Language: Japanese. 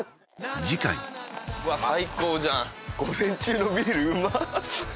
次回最高じゃん午前中のビールうまっ！